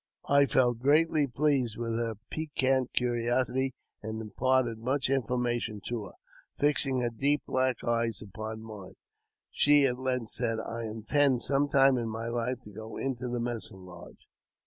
I felt greatly pleased with her piquant curiosity, and imparted much information to her. Fixing her deep black eyes upon mine, she at length said, " I intend, some time in my life, to go into the medicine lodge."